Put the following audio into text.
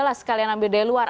lah sekalian ambil dari luar